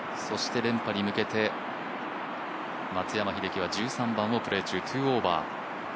そして連覇に向けて松山英樹は１３番をプレー中２オーバー。